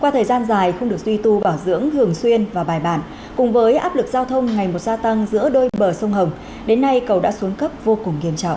thời gian dài không được duy tu bảo dưỡng thường xuyên và bài bản cùng với áp lực giao thông ngày một gia tăng giữa đôi bờ sông hồng đến nay cầu đã xuống cấp vô cùng nghiêm trọng